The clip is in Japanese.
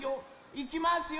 いきますよ。